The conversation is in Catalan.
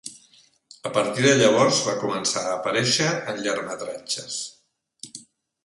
A partir de llavors, va començar a aparèixer en llargmetratges.